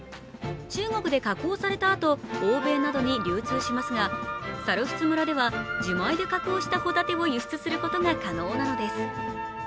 中国で加工されたあと、欧米などに流通しますが、猿払村では、自前で加工したホタテを輸出することが可能なのです。